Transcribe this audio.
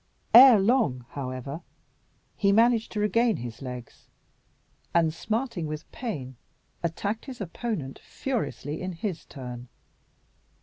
Ere long, however, he managed to regain his legs, and, smarting with pain, attacked his opponent furiously in his turn.